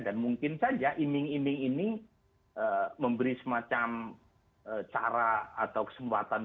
dan mungkin saja iming iming ini memberi semacam cara atau kesempatan